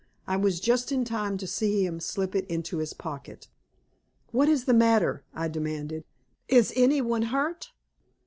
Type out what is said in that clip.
I was just in time to see him slip it into his pocket. "What is the matter?" I demanded. "Is any one hurt?"